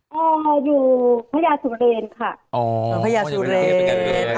ก้วยพญาสุเรนค่ะ